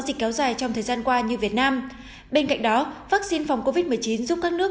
cơ sở thay đổi trong thời gian qua như việt nam bên cạnh đó vắc xin phòng covid một mươi chín giúp các nước